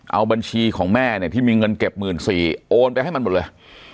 เอาบัญชีของแม่เนี่ยที่มีเงินเก็บ๑๔๐๐โอนไปให้มันหมดเลย